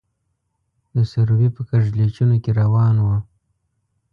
د سروبي په کږلېچونو کې روان وو.